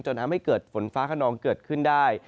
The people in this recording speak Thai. ทำให้เกิดฝนฟ้าขนองเกิดขึ้นได้